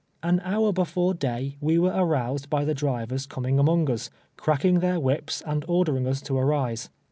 An hour before day we were aroused by the drivers com ing among lis, cracking their whips and ordering us to arise.